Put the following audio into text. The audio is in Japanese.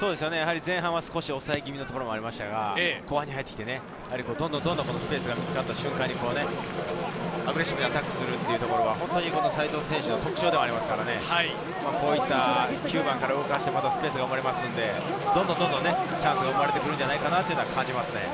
前半は少し抑え気味のところがありましたが、後半に入ってどんどんスペースが見つかった瞬間にアグレッシブなタックルをするというのが齋藤選手の特徴でもありますから、９番から動かしてスペースが生まれますから、どんどんチャンスが生まれてくるんじゃないかなと感じます。